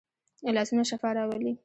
لاسونه شفا راولي